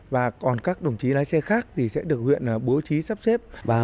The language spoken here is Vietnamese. và còn các đồng chí lái xe khác thì sẽ được huyện bố trí sắp xếp